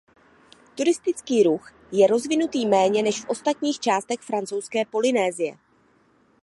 Turistický ruch je rozvinutý méně než v ostatních částech Francouzské Polynésie.